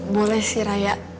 boleh sih raya